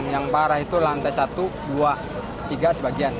yang parah itu lantai satu dua tiga sebagian